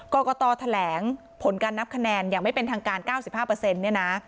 กรกตแถลงผลการนับคะแนนอย่างไม่เป็นทางการ๙๕เนี่ยนะ